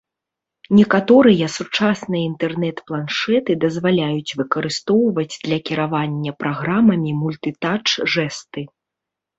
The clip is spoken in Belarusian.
Некаторыя сучасныя інтэрнэт-планшэты дазваляюць выкарыстоўваць для кіравання праграмамі мультытач-жэсты.